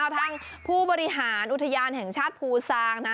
ทั้งผู้บริหารอุทยานแห่งชาติภูติสาง